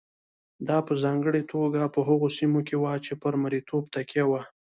دا په ځانګړې توګه په هغو سیمو کې وه چې پر مریتوب تکیه وه.